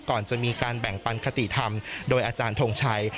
ก่อนจะมีการแบ่งปันคติธรรมโดยอาจารย์ทงชัย